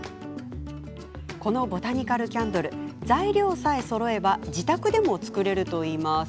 このボタニカルキャンドル材料さえそろえば自宅でも作れると言います。